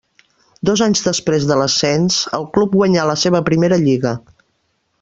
Dos anys després de l'ascens, el club guanyà la seva primera lliga.